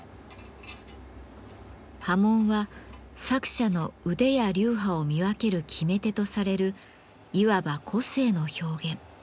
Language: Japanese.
刃文は作者の腕や流派を見分ける決め手とされるいわば個性の表現。